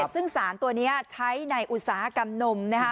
ซึ่งสารตัวนี้ใช้ในอุตสาหกรรมนมนะคะ